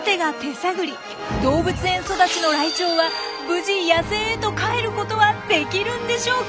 動物園育ちのライチョウは無事野生へと帰ることはできるんでしょうか？